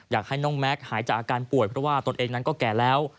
อยากให้น้องแม็กซ์หายจากอาการป่วยเพราะว่าตนเองนั้นก็แก่แล้ว